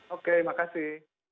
oke terima kasih